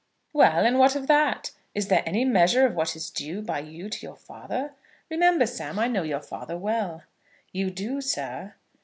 "Well and what of that? Is there any measure of what is due by you to your father? Remember, Sam, I know your father well." "You do, sir."